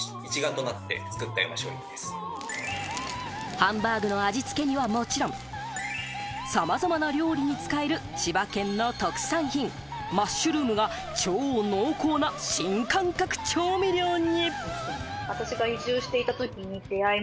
ハンバーグの味付けにはもちろん、さまざまな料理に使える千葉県の特産品、マッシュルームが超濃厚な新感覚調味料に。